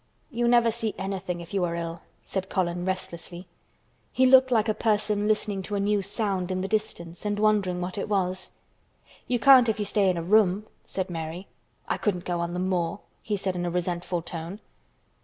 "You never see anything if you are ill," said Colin restlessly. He looked like a person listening to a new sound in the distance and wondering what it was. "You can't if you stay in a room," said Mary. "I couldn't go on the moor," he said in a resentful tone.